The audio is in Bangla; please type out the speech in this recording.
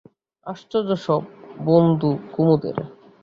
আশ্চর্য সব বন্ধু কুমুদের।